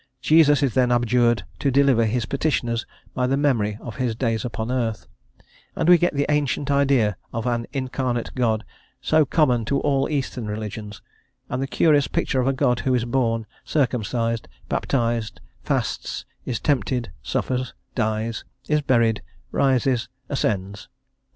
Jesus is then abjured to deliver His petitioners by the memory of His days upon earth, and we get the ancient idea of an incarnate God, so common to all eastern religions, and the curious picture of a God who is born, circumcised, baptised, fasts, is tempted, suffers, dies, is buried, rises, ascends.